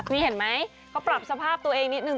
นี่เห็นไหมเขาปรับสภาพตัวเองนิดนึ